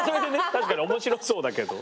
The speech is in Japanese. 確かに面白そうだけど。